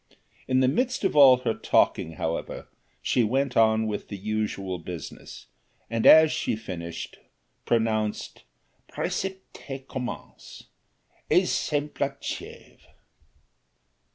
In the midst of all her talking, however, she went on with the essential business, and as she finished, pronounced "Précepte commence, exemple achève."